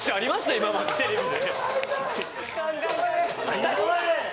今まで、テレビで。